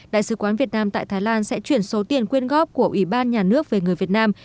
đại sứ quán việt nam tại thái lan sẽ chuyển số tiền quyên góp của ủy ban nhà nước về người việt nam